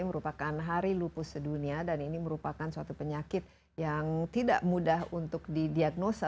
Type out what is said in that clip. merupakan hari lupus sedunia dan ini merupakan suatu penyakit yang tidak mudah untuk didiagnosa